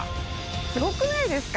すごくないですか？